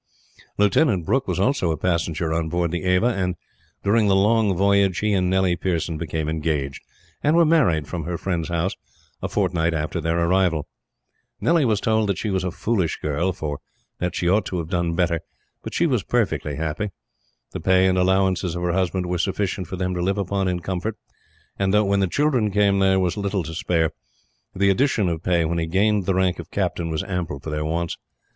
Lieutenant Brooke was also a passenger on board the Ava, and during the long voyage he and Nellie Pearson became engaged; and were married, from her friend's house, a fortnight after their arrival. Nellie was told that she was a foolish girl, for that she ought to have done better; but she was perfectly happy. The pay and allowances of her husband were sufficient for them to live upon in comfort; and though, when the children came, there was little to spare, the addition of pay when he gained the rank of captain was ample for their wants.